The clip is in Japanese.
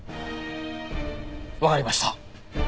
わかりました。